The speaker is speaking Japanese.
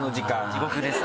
地獄です